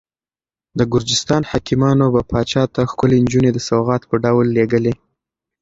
د ګرجستان حاکمانو به پاچا ته ښکلې نجونې د سوغات په ډول لېږلې.